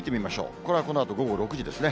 これはこのあと午後６時ですね。